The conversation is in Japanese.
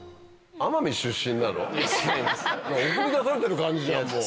送り出されてる感じじゃんもう。